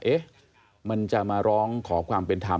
เอ๊ะมันจะมาร้องขอความเป็นธรรม